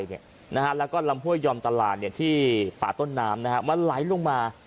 แล้วก็ลำห้วยยอมตลาดที่ป่าต้นน้ำมันไหลลงมา